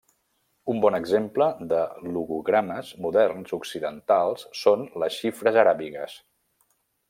Un bon exemple de logogrames moderns occidentals són les xifres aràbigues.